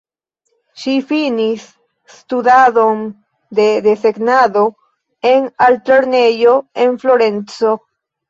Ŝi finis studadon de desegnado en artlernejo en Florenco.